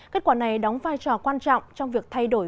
kết quả này đóng vai trò quan trọng trong việc thay đổi